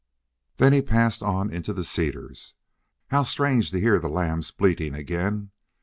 Then he passed on into the cedars. How strange to hear the lambs bleating again!